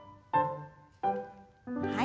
はい。